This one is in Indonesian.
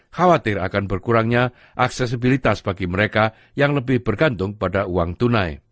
khawatir akan berkurangnya aksesibilitas bagi mereka yang lebih bergantung pada uang tunai